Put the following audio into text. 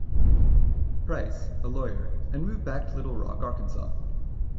Price, a lawyer, and moved back to Little Rock, Arkansas.